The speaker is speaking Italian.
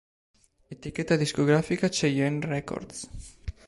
Etichetta Discografica Cheyenne Records.